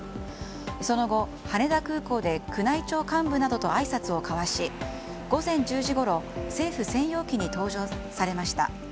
その後、羽田空港で宮内庁幹部などとあいさつを交わし午前１０時ごろ政府専用機に搭乗されました。